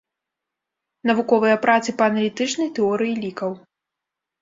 Навуковыя працы па аналітычнай тэорыі лікаў.